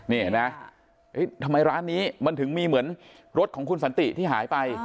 นี่เห็นไหมทำไมร้านนี้มันถึงมีเหมือนรถของคุณสันติที่หายไป